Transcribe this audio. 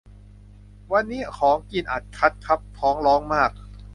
วันนี้ของกินอัตคัดครับ ท้องร้องมาก